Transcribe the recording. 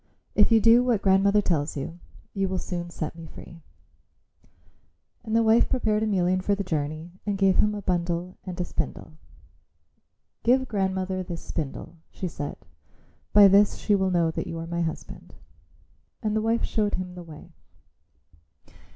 If you do what grandmother tells you, you will soon set me free." And the wife prepared Emelian for the journey and gave him a bundle and a spindle. "Give grandmother this spindle," she said; "by this she will know that you are my husband." And the wife showed him the way.